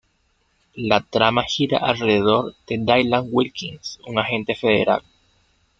La trama gira alrededor de Dylan Wilkins, un agente federal.